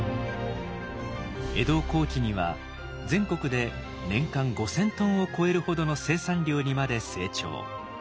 江戸後期には全国で年間５，０００トンをこえるほどの生産量にまで成長。